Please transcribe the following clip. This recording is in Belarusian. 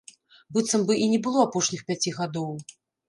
Быццам бы і не было апошніх пяці гадоў.